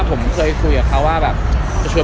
น้องคิดด้วย